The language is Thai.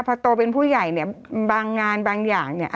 พอโตเป็นผู้ใหญ่เนี่ยบางงานบางอย่างเนี่ย